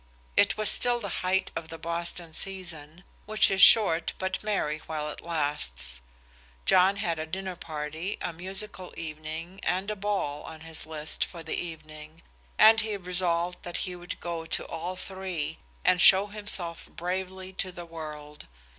It was still the height of the Boston season, which is short, but merry while it lasts. John had a dinner party, a musical evening, and a ball on his list for the evening, and he resolved that he would go to all three, and show himself bravely to the world.